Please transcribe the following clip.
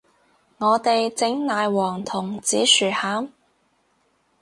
我哋整奶黃同紫薯餡